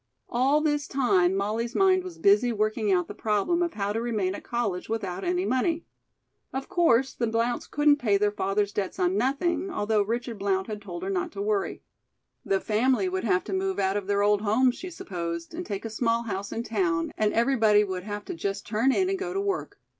All this time Molly's mind was busy working out the problem of how to remain at college without any money. Of course, the Blounts couldn't pay their father's debts on nothing, although Richard Blount had told her not to worry. The family would have to move out of their old home, she supposed, and take a small house in town, and everybody would have to just turn in and go to work.